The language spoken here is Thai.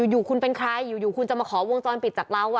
อยู่คุณเป็นใครอยู่คุณจะมาขอวงจรปิดจากเรา